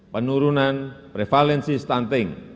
penurunan prevalensi stunting